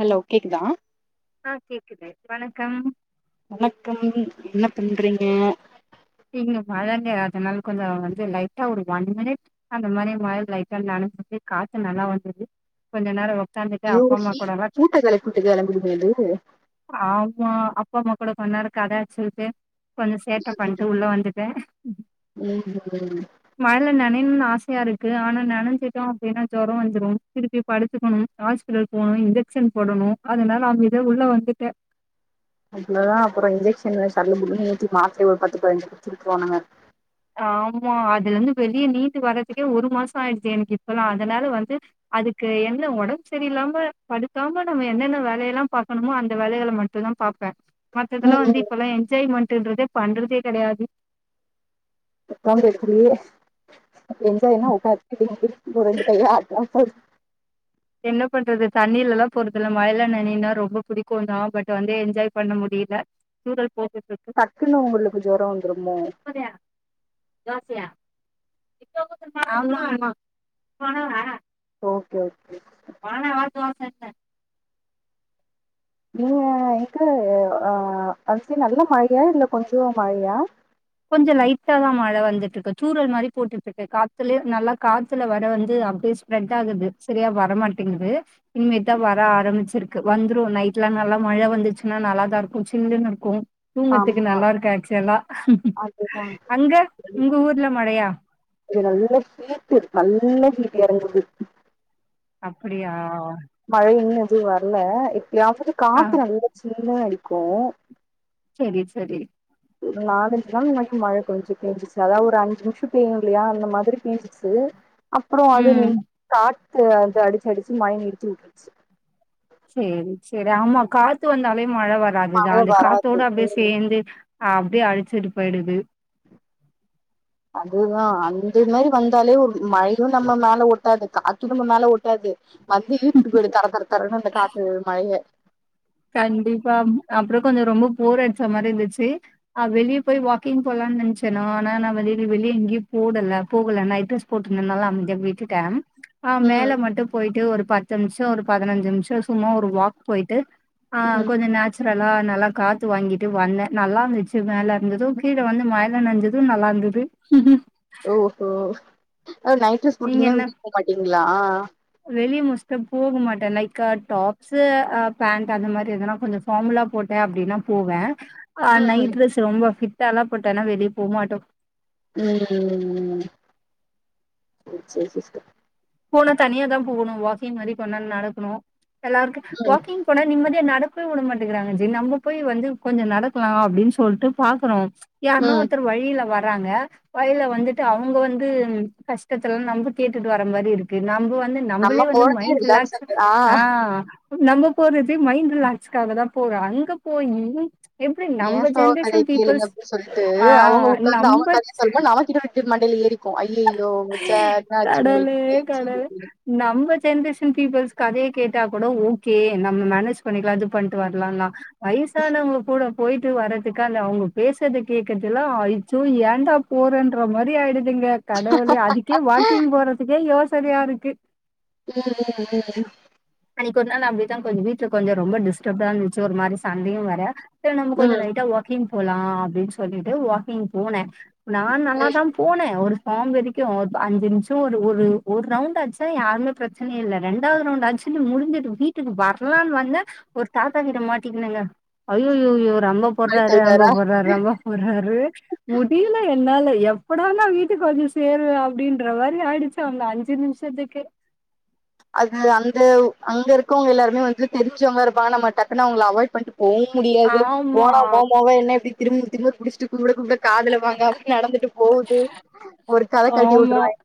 Hello கேக்குதா ஆ கேக்குது வணக்கம் வணக்கம் என்ன பண்றீங்க நீங்க மழைங்க அதனால கொஞ்சோ வந்து லைட்டா ஒரு ஒன் மினிட் அந்த மாரி மழை லைட்டா நனஞ்ச்சிட்டு காத்து நல்லா வந்துது கொஞ்ச நேரோ உக்காந்துட்டு அப்பா அம்மா யோகி கூடல்லா பூட்ட கெளப்பிவுட்டு கெளம்பிடுமே அது ஆமா அப்பா அம்மா கூட கொஞ்சநேரோ கத அடிச்சீட்டு கொஞ்ச சேட்ட பண் உள்ள வந்துட்ட ம் மழைல நனையணுனு ஆசையா இருக்கு ஆனா நனஞ்சிட்டோ அப்டின்னா ஜொரோ வந்துரு திருப்பி படுத்துக்கணும் ஹாஸ்பிட்டல் போணும் இன்ஜெக்ஷன் போடணும் அதனால அமைதியா உள்ள வந்துட்ட அதுக்குள்ளதா அப்பறோ இன்ஜெக்ஷன் சல்லுமுல்லுனு ஏத்தி மாத்ரைய ஒருபத்து பதினஞ்சு குடுத்துவுட்ருவானுங்க ஆமா அதுல இருந்து வெளிய மீண்டு வர்றதுக்கே ஒரு மாசோ ஆயிடுச்சு எனக்கு இப்பல்லா அதனால வந்து அதுக்கு என்ன ஒடம்பு சரியில்லாம படுக்காம நம்ம என்னென்ன வேலையெல்லா பாக்கணுமோ அந்த வேலைகள மட்டு தா பாப் மத்ததெல்லா வந்து இப்பெல்லா என்ஜாய்மெண்ட்ன்றதே பண்றதே கெடையாது ஒக்காந்து எப்டி‌‌ அப்ப‌. ‌என்ஜாய்னா ஒக்காந்து திருப்பி‌‌ திருப்பி ரெண்டு கை ஆட்னா போ என்ன பண்றது தண்ணிலெல்லா போறது இல்ல மழையில நனையன்னா ரொம்ப புடிக்கு தா பட் வந்து என்ஜாய் பண்ண முடில தூரல் போட்டுட்ருக் டக்குன்னு உங்களுக்கு ஜொரோ வந்துருமோ பூரியா ஆ.. ‌தோசை ஆ ஆமா ஆமா ஓகே ஓகே வணக்கம் வாழ்த்து வா செட் தா நீங்க எனக்கு அ அது சரி நல்ல மழையா இல்ல கொஞ்சோ மழையா கொஞ்ச லைட்டா தா மழ வந்துட்டு இருக்கு தூறல் மாரி போட்டுட்டு இருக்கு காத்துலே நல்லா காத்துல வர வந்து அப்டே ரெட்டாகுது சரியா வரமாட்டிங்குது இனிமேதா வர ஆரம்பிச்சிருக்கு வந்துரு நைட்ல நல்லா மழ வந்துச்சுன்னா நல்லா தா இருக்கு சில்லுன்னு இருக்கு தூங்கறத்துக்கு ஆமா நல்லா இருக்கு ஆக்சுவலா அதுதா அங்க உங்க ஊர்ல மழையா இங்க நல்ல ஹீட்டு நல்ல ஹீட்டு எறங்குது அப்டியா மழ இன்னு எதூ வர்ல எப்பயாவது ஆ காத்து நல்ல சில்லுனு அடிக்கூ சரி சரி ஒரு நாலஞ்சு நாள் முன்னைக்கு மழை பேஞ்சிட்டே இருந்துச்சு அதா ஒரு அஞ்சி நிமிஷம் பேயுல்லையா அந்த மாதிரி பெய்ஞ்சிச்சு சு‌ அப்புறம் அது ம் நின் காத்து அ வந்து அடிச்சு அடிச்சு மழய நிறுத்தி வுட்ருச்சு சரி சரி ஆமா காத்து வந்தாலே மழை மழ வராதுதா அந்த வராது காத்தோட அப்டியே ம் சேந்து அப்டியே அழிச்சிட்டு போயிடுது அதுதா அந்த மாதிரி வந்தாலே ஒரு மழையும் நம்ம மேல ஒட்டாது காத்தும் நம்ம மேல ஒட்டாது வந்து இழுத்துட்டு போயிடும் தர தர தரன்னு அந்த காத்து மழைய கண்டிப்பா அப்பறம் கொஞ்ச ரொம்ப போர் அடிச்ச மாறி இருந்துச்சு அ வெளிய போய் வாக்கிங் போலானு நினைச்சேனா ஆனா நா வெளில வெளிய எங்கயும் போகல போகல நைட் ட்ரஸ் போட்ருந்தனால அமைதியா விட்டுட்டேன் அ ம் மேல மட்டும் போயிட்டு ஒரு பத்து நிமிஷம் ஒரு பதினஞ்சு நிமிஷம் சும்மா ஒரு வாக் போயிட்டு அ ம் கொஞ்சம் நேச் சுரலா நல்லா காத்து வாங்கிட்டு வந்தேன் நல்லாருந்துச்சு மேல இருந்ததும் கீழ வந்து மழைல நனைஞ்சதும் நல்லாருந்தது ம்ம் ஓஹோ நைட் டிரஸ் நீங்க போட்டிங்கனா என்ன வீட்ட விட்டு போ மாட்டீங்களா வெளிய மோஸ்டடா போக மாட்டேன் லைக் டாப்ஸ்சு அ பேண்ட் அந்த மாதிரி எதனா கொஞ்சம் ஃபார்மலா போட்டேன் அப்படின்னா போவே அ ம் நைட் ம் டிரெஸ் ரொம்ப ஃபிட்டலாம் போட்டேன்னா வெளிய போமாட்டோம் ம்‌ ம்‌ ம் ஓ சரி சரி போனா தனியா தா போவுணும் வாக்கிங் மாதிரி கொஞ்ச நேர நடக்கணும் எல்லாருக்கும் ம் வாக்கிங் போனா நிம்மதிய நடக்கவே விட மாட்டேங்கறாங்க ஜி நம்ம போய் வந்து கொஞ்சம் நடக்கலாம் அப்படின்னு சொல்லிட்டு பாக்கறோம் யார்னா ம் ஒருத்தர் வழியில வர றாங்க வழில வந்துட்டு அவங்க வந்து கஷ்டத்தல்லாம் நம்ப கேட்டுட்டு வர மாதிரி இரு க்கு‌‌ நம்ப வந்து நம்ம நம்மளே வந்து போறதே மைண்ட் ரிலாக்ஸ ரிலாக்ஸேஷன் ஆ அ நம்ம போறதே மைண்ட் ரிலாக்ஸ்காகதா போறோ அங்க போயி எப்டி ஏன் நம்ம ‌சோக கதைய ஜென்ரேஷன் கேளுங்க பீப்புள்ஸ் அப்படின்னு சொல்ட்டு ஆ அவங்க உட்காந்து அவங்க நம்ம கதையை சொல்லு போது நம்மகிட்ட கிட்ட மண்டையில ஏறிக்கும் அய்யய்யோ ச்ச என்னாச்சு உங்களுக்கு கடவுளே இப்டி ஆச்சு கடவுளே அப்டினு நம்ம ஜென்ரேஷன் பீப்புள்ஸ் கதைய கேட்டா கூட ஓகே நம்ம மேனேஜ் பண்ணிக்கலாம் இது பண்ணிட்டு வரலாம்னா வயசானவங்க கூட போயிட்டு வர்றதுக்கா‌ இல்ல அவங்க பேசறத கே்கறதுல்லா அச்சோ ஏண்டா போறன்ற மாறி‌ ஆயிடுதுங்க கடவுளே அதுக்கே வாக்கிங் போறதுக்கே யோசனையா இருக்கு ம்ம்ம்ம் அன்னைக்கு ஒரு நாள் அப்டிதா கொஞ்சம் வீட்டுல கொஞ்ச ரொம்ப டிஸ்டர்ப்டா இருந்துச்சு ஒரு மாதிரி சண்டையும் வர ச நம்ம ம் கொஞ்சம் ம். லைட்டா வாக்கிங் போலாம் அப்படின்னு சொல்லிட்டு வாக்கிங் போனே நா நல்லா தா போனே ஒரு சாங் வரைக்கும் அஞ்சு நிமிஸம் ஒரு ஒரு ரவுண்ட் ஆச்சா யாருமேச்ச பிரச்சனையே இல்ல ரெண்டாவது ரவுண்ட ஆச்சு கிங் முடிஞ்சுட்டு வீட்டுக்கு வரலான்னு வந்த ஒரு தாத்தா கிட்ட மாட்டிக்கனுங்க அய்யய்யோ ரம்பம் பண்ணி போட்றாரு ரம்ப தருவாரா போட்றாரு ரம்ப போட்றாரு முடியல என்னால எப்படா‌ நா வீட்டுக்கு வந்து சேருவே அப்படின்ற மாறி ஆயிடுச்சு அந்த அஞ்சு‌ நிமிஷ த்துக்கே அது அந்த அங்க இருக்கவங்க எல்லாருமே வந்துட்டு தெரிஞ்சவங்க இருப்பாங்க நம்ம டக்குன்னு அவங்கள அவாய்ட் பண்ணிட் போவும் முடியாது ஆமா போனா போ போக என்ன எப்படி திரும்ப திரும்ப குடிச்சிட்டு கூப்ட கூப்ட காதுல வாங்காம நடந்துட்டு போது ஒரு கத‌ கட்டி ஆமா விட்ருவாய்ங்க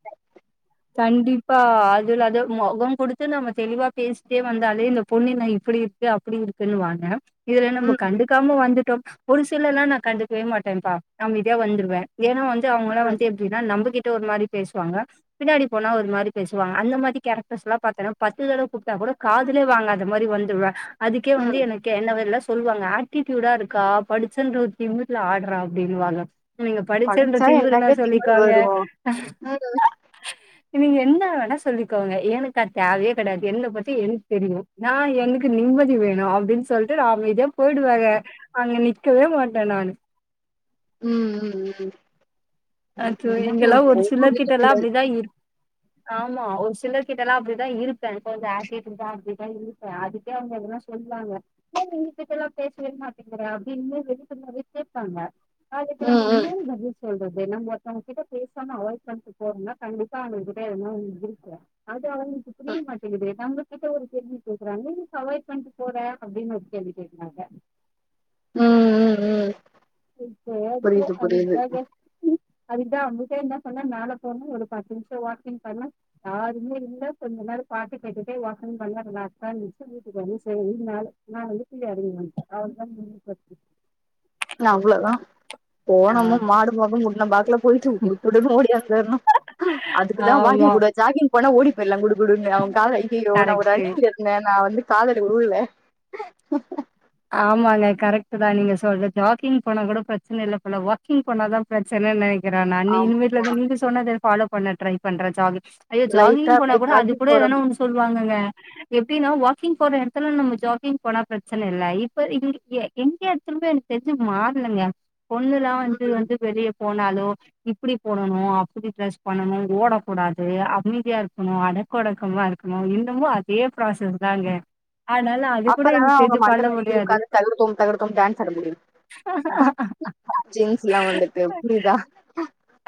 கண்டிப்பா அதுலது முகம் கொடுத்து நம்ம தெளிவா பேசிட்டே வந்தாலே இந்த பொண்ணு என்ன இப்படி அப்படி இருக்குன்னு வாங்க இதுல நம்ப ம் கண்டுக்காம வந்துட்டோ ஒரு சிலலா நா கண்டுக்கவே மாட்டேன்ப்பா அமதியா வந்துடுவே ஏனா வந்து அவங்களா ம் வந்து எப்படின்னா நம்மகிட்ட ஒரு மாரி பேசுவாங்க பின்னாடி போனா ஒரு மாரி பேசுவாங்க அந்த மாதி கேரக்டர்ஸ்லா பாத்தினா பத்து தட கூப்ட்டா கூட காதுலே வாங்காத மாரி வந்து ருவ அதுக்கே வந்து ம் என கே என்னவெல்லா சொல்லுவாங்க அட்டிடியூடா இருக்கா படிச்சன்ற ஒரு திமிர்ல ஆடுறா அப்படின்னுவாங்க நீங்க படிச்சன்ற படிச்சா திமுருனா என்னங்க திமிரு சொல்லிக்கோங்க வரு ம் இவிங்க என்ன வேணா சொல்லிக்கோங்க எனக்கு அது தேவயே கெடையாது என்ன பத்தி என்ன தெரியு நா எனக்கு நிம்மதி வேணு அப்டின்னு சொல்லிட்டு நா அமைதியா போயிடுவேங்க அங்க நிக்கவே மாட்டே நானு ம் ம் ம் எனக்கு அது என்னங்க இங்கல்லா ஒரு ஒன்னும் எடுக்க சிலர்கிட்டலா தெரியாது அப்டிதா இரு ஆமா ஒரு சிலர்கிட்டலா அப்டிதா இருப்பே கொஞ்சோ ஆட்டிடியூடா அப்டி நா இருப்பே அதுக்கே அவுங்க என்ன சொல்வாங்க ஏ நீ வீட்டுக்கெல்லா பேசவே மாட்டேங்கிற அப்டினு [unintelligible] கேப்பாங்க அதுக்கு ம் நம்ம ம் என்னனு பதில் சொல்றது ஏனா ஒருத்தவங்ககிட்ட பேசாம அவாய்ட் பண்ணிட்டு போறதுனா கண்டிப்பா அவுங்க கிட்ட எதுனா இருக்கு அது அவுங்களுக்கு புரிய மாட்டேங்கிதே [unintelligible] கிட்ட ஒரு கேள்வி கேக்குறாங்க அவாய்ட் பண்ணிட்டு போற அப்டின்னு ஒரு கேள்வி கேக்குறாங்க ம் ம் ம் [unintelligible] புரியுது புரியுது அதுதா அவுங்கிட்டே என்ன சொன்னே மேல போனு ஒரு பத்து நிமிஷ வாக்கிங் பண்ணு யாருமே இல்ல கொஞ்ச நேரோ பாட்டு கேட்டுட்டே வாக்கிங் பண்ணா ரிலாக்ஸ் ஆ [unintelligible] சேரின்னு நானு நா அப்டியே கீழ இறங்கி வந்துட்டே அவ்ளோ தா முடுஞ்சு போச்சு அவ்ளோதா போனமு மாடுபு முன்ன பாக்கல போயிட்டு உட்டுட்டு ஓடியே வந்துறணு அதுக்கு தா வாக்கிங் ஆமா கூட ஜாக்கிங் போனா ஓடி போயிடலா குடு குடுன்னு அவுங்கக்கா ஐய்யயோ நா ஒரு கரெக்ட்டு ரன்னிங் நா வந்து [unintelligible] ஆமாங்க கரெக்ட்டு தா நீங்க சொல்றது ஜாக்கிங் போனா கூட பிரச்சன இல்ல போல வாக்கிங் போனாதா பிரச்சனனை க்கிறே நா நீ ஆமா இன் வீ்ட்ல நீங்க சொன்னத ஃபாலோ பண்ண ட்ரை பண்றே ஜாக்கி அய்யோ லைட்டா ஜாகிங் போனா அப்டியே கூட அது ஜாக்கிங் கூட போற எதனா ஒன்னு ஸ் சொல்லுவாங்கங்க எப்டின்னா வாக்கிங் போற எடத்துல நம்ம ஜாகிங் போனா பிரச்சன ஃலைப்பு இங் எ எங்க [unintelligible] எனக்கு தெரிஞ்சு மாறலங்க பொண்ணுல்லா வந்து வந்து வெளிய போனாலோ இப்டி போடணு அப்டி ட்ரெஸ் பண்ணணு ஓடக்கூடாது அமைதியா இருக்கணு அட அடக்க ஒடக்கமா இருக்கணு இன்னமு அதே ப்ராசஸ் தாங்க ஆனாலு அது கூட எனக் தெரிஞ்சு இந்த பண்ண மாறியே முடியாது. இருக்காது தகிடதோம் தகிடதோம் டான்ஸ் முடியும் ஜீன்ஸ்லா வந்துட்டு புரிதா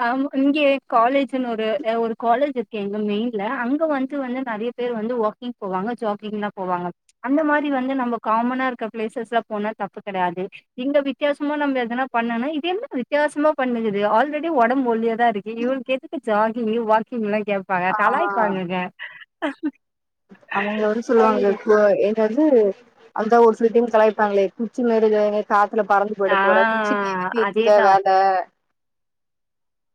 ஆமா இங்க காலேஜ்ன்னு ஒரு அ ஒரு காலேஜ் இருக்கு இங்க மெயின்ல அங்க வந்து வந்து நெறைய பேர் வந்து ஓ கிங் போவாங்க ஜாகிங்ல்லா போவாங்க அந்த மாரி வந்து நம்ம காமனா இருக்க பிளேசஸ்ல போனா தப்பு கெடையாது எங்க வித்தியாசமா நம்ம எதனா பண்ணனா இது என்ன வித்தியாசமா பண்ணுது ஆல்ரெ ஒடம்பு ஒல்லியா தா இருக்கு இவளுக்கு எதுக்கு ஜாகிங்கு வாக்கிங் எல்லா கே ப்பாங்க ஆ கலாய்பாங்கங்க அவுங்க வந்து சொல்லுவாங்க‌ இப்போ எ க வந்து அந்த ஒரு சில‌ டைம் கலாய்ப்பாங்களே குச்சி மாரி‌ [unintelligible] காத்துல பறந்து போய்ட ஆ போற குச்சிக்கி எதுக்கு இந்த அதேதா வேல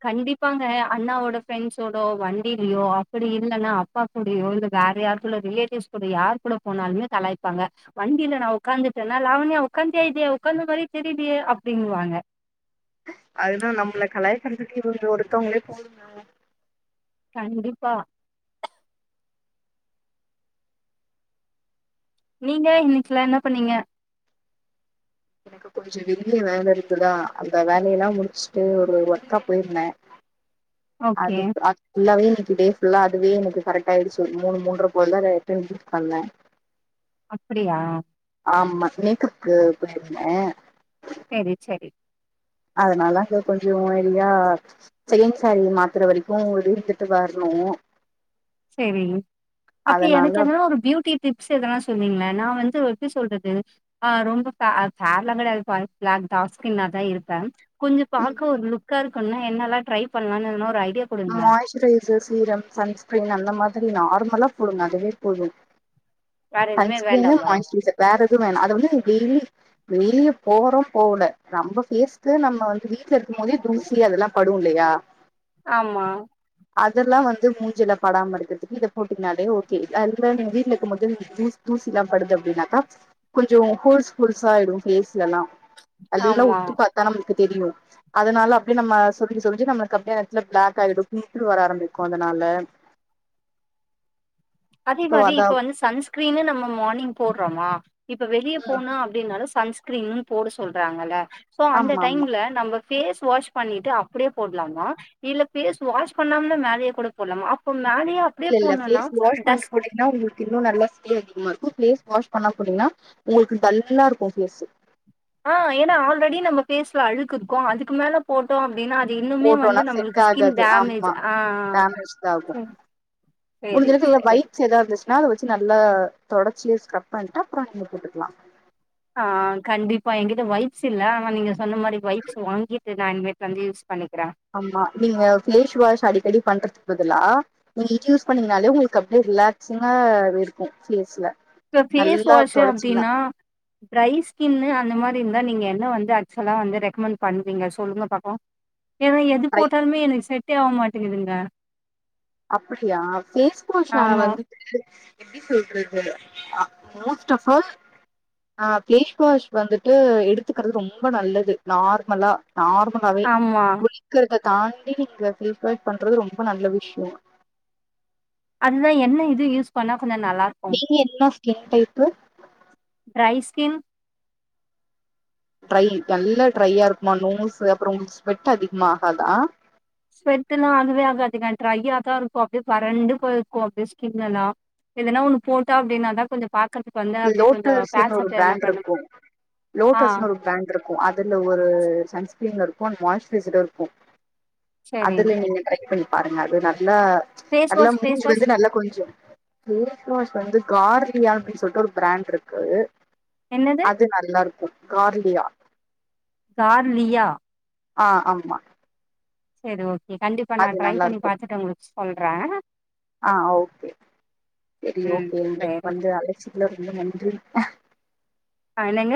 கண்டிப்பாங்க அண்ணாவோட ஃப்ரெண்ட்ஸோடோ வண்டியிலயோ அப்படி இல்லன்னா அப்பா கூடையோ இல்ல வேற யாருக்குள்ள ரிலேட்டிவ்ஸ் கூட யாரு கூட போனாலுமே கலாய்ப்பாங்க வண்டியில நா ஒக்காந்துட்டன்னா லாவண்யா உக்காந்துட்டியா இல்லயா உக்காந்த மாரியே தெரிலயே அப்டின்னு வாங்க அதுதா நம்மள கலாய்கிறதுக்கு இவுங்க ஒருத்தவுங்களே போதுங்க கண்டிப்பா நீங்க இன்னைக் ஃபுல்லா என்ன பண்ணீங்க எனக்கு கொஞ்சோ வெளிய வேல இருக்குதா அந்த வேலை எல்லா முடிச்சுட்டு ஒரு ஒர்க்கா போயிருந்த ஓகே அதுக் அ ஃபுல்லாவே இன்னைக்கு டே ஃபுல்லா அதுவே எனக்கு கரெக்டா ஆயிடுச்சு ஒரு மூணு மூண்ற போல ரிட்டன் வீட்க் வந்த [inaudible] அப்படியா ஆமா மேக்கப்க்கு போயிருந்தே சேரி சேரி அதனால இவ்ளோ கொஞ்சோ இர்லியா செகண்ட் சாரி மாத்ர வரைக்கு இருந்துட்டு வர்ணு சேரி ஒகே எனக்கு அதனால என்னனா ஒரு பியூட்டி டிப்ஸ் எதனா சொல்விங்ள நா வந்து எப்டி சொல்றது அ ரொம்ப ஃபே‌ அ ஃபேர்லா கடையாதுப்பா பிளாக் டார்க் ஸ்கின்னா தா இருப்ப கொஞ்சோ பாக்க ஒரு லுக்கா இருக்குன்னா என்னல்லா ட்ரை பண்லான்னு எதனா ஒரு ஐடியா குடுங்க மாய்ஸ்ரைசர் சீரம் சன்ஸ்கிரீன் அந்த மாதிரி நார்மலா போடுங்க அதுவே போதும் வேற எதுவுமே சன்ஸ்கிரீன்னு வேண்டாமா? மாய்ஸ்ரைசர் வேற எதுவு வேணா அது வந்து டெய்லி வெளிய போறோ போவுல நம்ம ஃபேஸ்க்கு நம்ம வந்து வீட்ல இருக்கும் போதே தூசி அதெல்லா படு இல்லையா ஆமா அதெல்லா வந்து மூஞ்சில படாம இருக்கறதுக்கு இத போட்டீங்ன்னாலே ஓகே அதுக்கு மேல நீங்க வீட்ல இருக்குபோதே இந்த தூஸ் தூசில்லா படுது அப்டின்னாக்க கொஞ்சோ ஹோல்ஸ் ஹோல்ஸா ஆயிடு ஃபேஸ்லல்லா அல்லுலா ஆமா. உத்து பாத்தா நம்ளுக்கு தெரியு அதனால அப்டே நம்ம சொரிஞ்சி சொரிஞ்சி நம்மளுக்கு அப்டியே எத்துல பிளாக் ஆயிடு பிம்பிள் வர ஆரம்பிக்கு அதனால அதே சோ மாரி அதா இப்ப வந்து சன்ஸ்கிரீனு நம்ம மார்னிங் போட்றோமா இப்ப வெளிய ம் போனா அப்டினாலு சன்ஸ்கிரீன்னுன் போட சொல்றாங்கல்ல சோ அந்த ஆமா ஆமா டைம்ல நமக் ஃபேஸ் வாஷ் பண்ணிட்டு அப்டே போட்லாமா இல்ல ஃபேஸ் வாஷ் பண்ணாமலே மேலய கூட போட்லாமா அப்ப மேலயே அப்டியே இல்ல இல்ல போடணும்னா ஃபேஸ் வாஷ் பண்ட்டு டஸ்ட் போட்டீங்ன்னா உங்களுக்கு இன்னு நல்லா ஸ்டே அதிகமா இருக்கு ஃபேஸ் வாஷ் பண்ணாம போட்டீங்கன்னா உங்களுக்கு டல்லா இருக்கு ஃபேஸு அ ஏன்னா ஆல்ரெடி நம்ம ஃபேஸ்ல அழுக்கு இருக்கு அதுக்கு மேல போட்டோ அப்டினா அது இன்னுமே வந்து போட்டோனா செட் நம்மளுக்கு ஸ்கின் ஆகாது டேமேஜ் ஆமா அ அ டேமேஜ் சேரி மேரேஜ் இப்ப வைப்ஸ் எதா இருந்துச்சுன்னா அத வச்சு நல்லா தொடச்சி ஸ்க்ரப் பண்ட்டு அப்புறோ நீங்க போட்டுக்கலா அ கண்டிப்பா என்கிட்ட வைப்ஸ் இல்ல ஆனா நீங்க சொன்ன மாரி வைப்ஸ் வாங்கிட்டு நா இனிமேட் வந்து யூஸ் பண்ணிக்கிற ஆமா நீங்க ஃபேஸ் வாஷ் அடிக்கடி பண்றதுக்கு பதுலா நீங்க இது யூஸ் பண்ணீங்கனாலே உங்களுக்கு அப்டே ரிலாக்ஸ்சிங்கா இருக்கு ஃபேஸ்ல இப்ப ஃபேஸ் நல்லா வாஷ்ஷு தொடச்சீங்கன்னா அப்டினா ட்ரை ஸ்கின்னு அந்த மாரி இருந்தா நீங்க என்ன வந்து ஆக்சுவலா வந்து ரெக்கமெண்ட் பண்ணுவீங்க சொல்லுங்க பக்கல்லா ஏனா எது ட்ரை போட்டாலுமே எனக்கு செட்டே ஆவ மாட்டேங்கதுங்க அப்படியா ஃபேஸ் வாஷ்ஷால ஆமா வந்து அ எப்டி சொல்றது அ மோஸ்ட் ஆஃப் ஆல் ஆ ஃபேஸ் வாஷ் வந்துட்டு எடுத்துக்கிறது ரொம்ப நல்லது நார்மலா நார்மலாவே ஆமா குளிக்கிறத தாண்டி நீங்க ஃபேஸ் வாஷ் பண்றது ரொம்ப நல்ல விஷய அதுதா என்ன இது யூஸ் பண்ணா கொஞ்சோ நல்லா இருக்கு. நீங்க என்ன skin type dry skin dry நல்லா ட்ரையா இருக்குமா நோஸ் அப்ற உங்களுக்கு ஸ்வெட் அதிகமா ஆகாதா ஸ்வெட்ல்லா ஆகவே ஆகாதுங்க ட்ரய்யாதா இருக்கு அப்டியே வறண்டு போயிருக்கு அப்டியே ஸ்கின் எல்லா எதனா ஒன்னு போட்ட அப்டினாதா கொஞ்சோ பாக்கறதுக்கு வந்த அப்டியே கொஞ்சோ லோட்டஸ்ன்னு பேட்ச் ஒரு அப் எதனா பிராண்ட் பண்ணு இருக்கு ஆ லோட்டஸ்ன்னு ஒரு பிராண்ட் இருக்கு அதுல ஒரு சன்ஸ்கிரீன் இருக்கு மாய்சுரைசர் இருக்கு சரி. அதுல நீங்க ட்ரை பண்ணி பாருங்க அது நல்லா ஃபேஸ் நல்லா வாஷ் ஃபேஸ் மூஞ்சி வாஷ் வந்து நல்லா கொஞ்சோ ஃபேஸ் வாஷ் வந்து கார்லியா அப்டின் சொல்ட்டு ஒரு பிராண்ட் இருக்கு என்னது அது நல்லாருக்கு கார்லியா கார்லியா ஆ அம்மா சரி ஓகே கண்டிப்பா நா ட்ரை நல்லா பண்ணி இருக்கும் பாத்துட்டு உங்களுக்கு சொல்ற ஆ ஓகே சரி ம் ஓகே எங்களுக்கு சரி வந்து அழச்சத்துல ரொம்ப நன்றி ஆ என்னங்க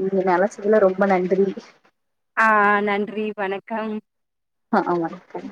நீ என்ன அழச்சதுல ரொம்ப நன்றி ஆ நன்றி வணக்கம் ஆ ஆமாங்க சரி